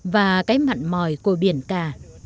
và cái mặn mòi cồi biển cả